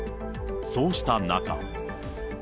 そうした中。